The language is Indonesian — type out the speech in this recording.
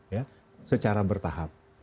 ya secara bertahap